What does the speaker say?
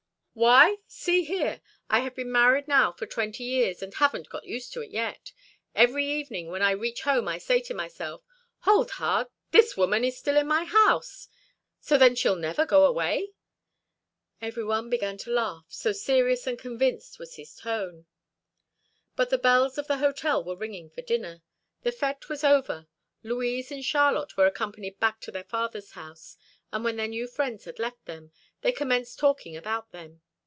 "Why! See here! I have been married now for twenty years, and haven't got used to it yet. Every evening, when I reach home, I say to myself, 'Hold hard! this old woman is still in my house! So then she'll never go away?'" Everyone began to laugh, so serious and convinced was his tone. But the bells of the hotel were ringing for dinner. The fête was over. Louise and Charlotte were accompanied back to their father's house; and when their new friends had left them, they commenced talking about them.